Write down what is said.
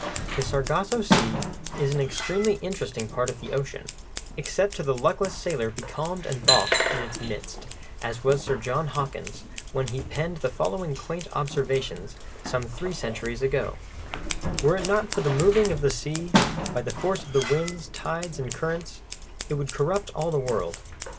The Sargasso Sea is an extremely interesting part of the ocean, except to the luckless sailor becalmed and balked in its midst, as was Sir John Hawkins when he penned the following quaint observations, some three centuries ago: Were it not for the Moving of the Sea, by the Force of Winds, Tides and Currents, it would corrupt all the World.